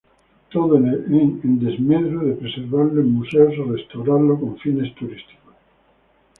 Todo en desmedro de preservarlo en museos o restaurarlo con fines turísticos.